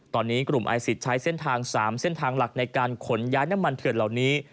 ตอนนี้กลุ่มไอซิตใช้เส้นทาง๓เส้นทางหลักในการขนย้ายน้ำมันเถื่อนเหล่านี้